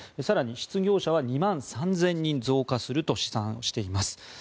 更に、失業者は２万３０００人増加すると試算しています。